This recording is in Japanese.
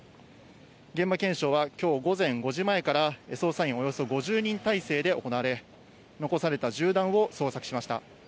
現場検証は、きょう午前５時前から捜査員およそ５０人態勢で行われ、残された銃弾を捜索しました。